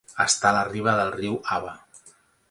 Està a la riba del riu Aba.